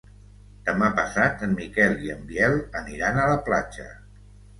Demà passat en Miquel i en Biel aniran a la platja.